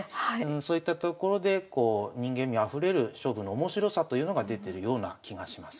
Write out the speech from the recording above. そういったところで人間味あふれる勝負の面白さというのが出てるような気がします。